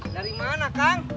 dari mana kang